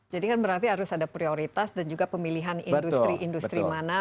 jadi kan berarti harus ada prioritas dan juga pemilihan industri industri mana